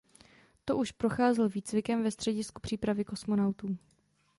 To už procházel výcvikem ve Středisku přípravy kosmonautů.